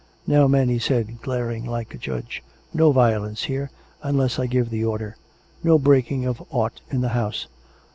" Now, men," he said, glaring like a judge, " no violence here, unless I give the order. No breaking of aught in the house.